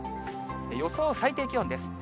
予想最低気温です。